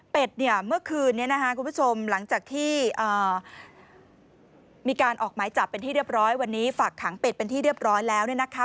เป็นเมื่อคืนนี้นะคะคุณผู้ชมหลังจากที่มีการออกหมายจับเป็นที่เรียบร้อยวันนี้ฝากขังเป็ดเป็นที่เรียบร้อยแล้วเนี่ยนะคะ